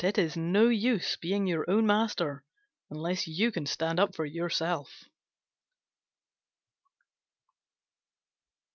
It is no use being your own master unless you can stand up for yourself.